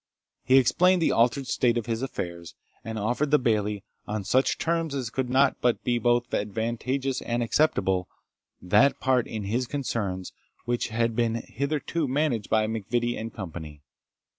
He explained the altered state of his affairs, and offered the Bailie, on such terms as could not but be both advantageous and acceptable, that part in his concerns which had been hitherto managed by MacVittie and Company.